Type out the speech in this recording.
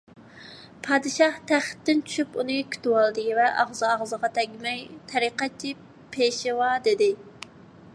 پادىشاھ تەختتىن چۈشۈپ ئۇنى كۈتۈۋالدى ۋە ئاغزى - ئاغزىغا تەگمەي: «تەرىقەتچى پېشۋا!» دېدى.